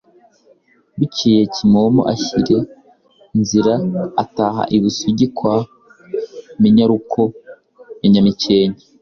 Bukeye Kimomo ashyira nzira ataha i Busigi kwa Minyaruko ya Nyamikenke,